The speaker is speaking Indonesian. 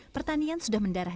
pertanian sudah mendarah